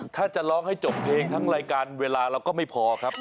ถ้าจะร้องให้จบเพลงทั้งรายการเวลาเราก็ไม่พอครับ